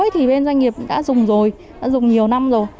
thì bên doanh nghiệp đã dùng rồi đã dùng nhiều năm rồi